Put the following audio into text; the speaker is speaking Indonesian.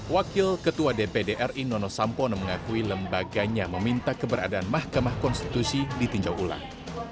wakil ketua dpd ri nono sampono mengakui lembaganya meminta keberadaan mahkamah konstitusi ditinjau ulang